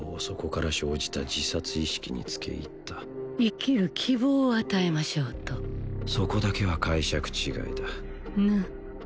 そこから生じた自殺意識につけいった生きる希望を与えましょうとそこだけは解釈違いだヌ